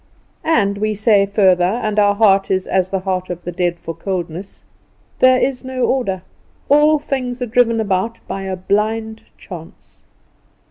And, we say further, and our heart is as the heart of the dead for coldness, "There is no order: all things are driven about by a blind chance."